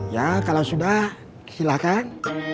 ya kalau sudah silahkan